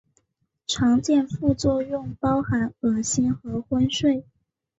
常见副作用包含恶心和昏睡。